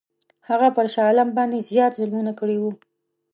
هغه پر شاه عالم باندي زیات ظلمونه کړي وه.